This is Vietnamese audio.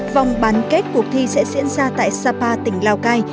vòng bán kết cuộc thi sẽ diễn ra tại sapa tỉnh lào cai